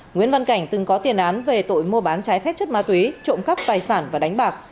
nguyễn văn cảnh từng có tiền án về tội mua bán trái phép chất ma túy trộm cắp tài sản và đánh bạc